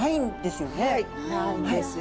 ないんですよ。